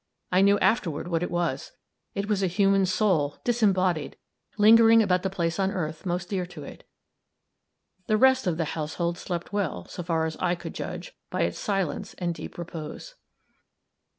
I knew afterward what it was. It was a human soul, disembodied, lingering about the place on earth most dear to it. The rest of the household slept well, so far as I could judge, by its silence and deep repose.